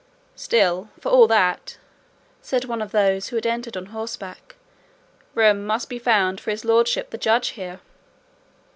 "Still, for all that," said one of those who had entered on horseback, "room must be found for his lordship the Judge here."